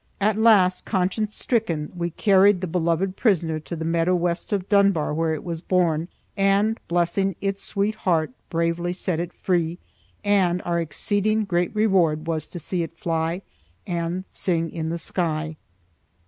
At last, conscience stricken, we carried the beloved prisoner to the meadow west of Dunbar where it was born, and, blessing its sweet heart, bravely set it free, and our exceeding great reward was to see it fly and sing in the sky.